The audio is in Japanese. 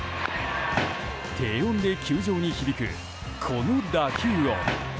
低音で球場に響くこの打球音。